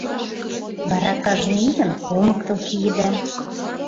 Вара кажне ийын олмыктыл киеда.